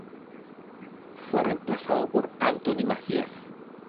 Fue reemplazado por Anthony Macias.